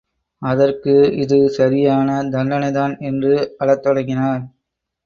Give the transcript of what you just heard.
அதற்கு இது சரியான தண்டனைதான் என்று அழத் தொடங்கினார்.